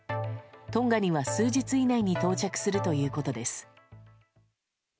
トンガには数日以内に到着するということです。